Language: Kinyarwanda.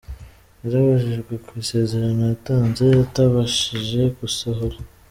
Yarabajijwe ku isezerano yatanze atabashishije gusohora.